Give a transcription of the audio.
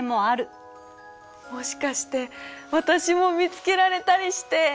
もしかして私も見つけられたりして！